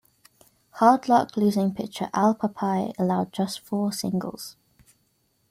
Hard-luck losing pitcher Al Papai allowed just four singles.